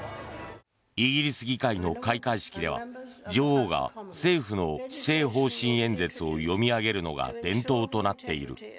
イギリス議会の開会式では女王が政府の施政方針演説を読み上げるのが伝統となっている。